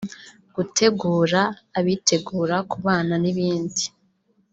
gutegura abitegura kubana n’ibindi